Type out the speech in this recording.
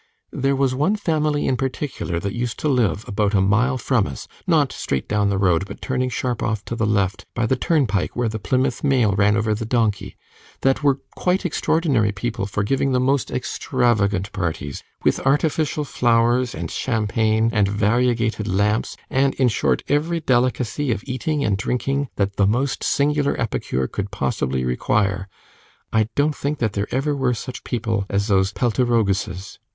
There was one family in particular, that used to live about a mile from us not straight down the road, but turning sharp off to the left by the turnpike where the Plymouth mail ran over the donkey that were quite extraordinary people for giving the most extravagant parties, with artificial flowers and champagne, and variegated lamps, and, in short, every delicacy of eating and drinking that the most singular epicure could possibly require. I don't think that there ever were such people as those Peltiroguses.